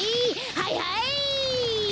はいはい！